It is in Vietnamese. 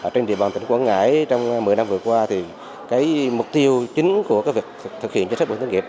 trên địa bàn tỉnh quảng ngãi trong một mươi năm vừa qua mục tiêu chính của việc thực hiện chính sách bảo hiểm thất nghiệp